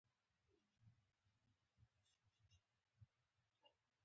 د یادګار په توګه به یې په ونه کې ځوړنده کړم.